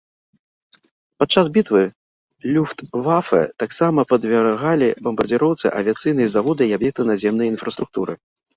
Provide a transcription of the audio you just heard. Падчас бітвы люфтвафэ таксама падвяргалі бамбардзіроўцы авіяцыйныя заводы і аб'екты наземнай інфраструктуры.